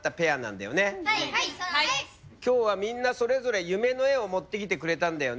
今日はみんなそれぞれ夢の絵を持ってきてくれたんだよね。